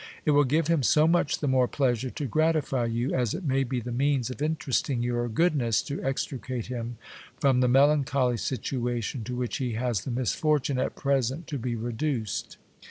It will give him so much the more pleasure to gratify you, as it may be the means of interesting your goodness to extricate him from the melancholy situation to which he has the misfortune at present to be reduced.